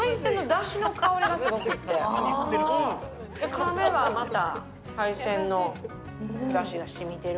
かめばまた、海鮮のだしがしみてる。